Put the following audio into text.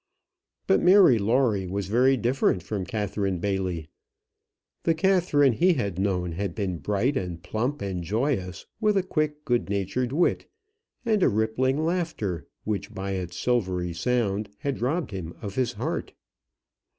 But Mary Lawrie was very different from Catherine Bailey. The Catherine he had known had been bright, and plump, and joyous, with a quick good natured wit, and a rippling laughter, which by its silvery sound had robbed him of his heart.